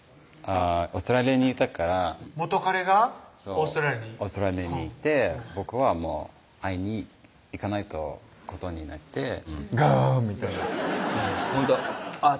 オーストラリアにいたから元彼がオーストラリアにオーストラリアにいて僕は会いに行かないとことになってガーンみたいなほんとあっ！